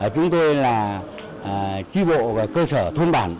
chúng tôi là tri bộ và cơ sở thôn bản